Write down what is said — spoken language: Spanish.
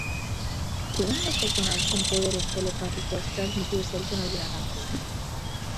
¿pueden dos personas con poderes telepáticos transmitirse el tono de una canción?